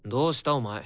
お前。